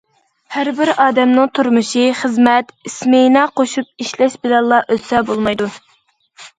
ھەر بىر ئادەمنىڭ تۇرمۇشى خىزمەت، ئىسمېنا قوشۇپ ئىشلەش بىلەنلا ئۆتسە بولمايدۇ.